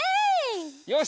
よし！